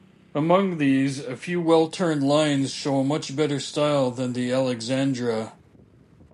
Among these, a few well-turned lines show a much better style than the "Alexandra".